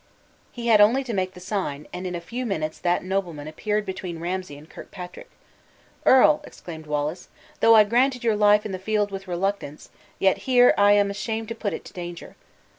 He had only to make the sign, and in a few minutes that nobleman appeared between Ramsay and Kirkpatrick. "Earl," exclaimed Wallace, "though I granted your life in the field with reluctance, yet here I am ashamed to put it in danger.